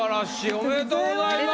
おめでとうございます。